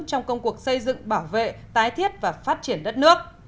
trong công cuộc xây dựng bảo vệ tái thiết và phát triển đất nước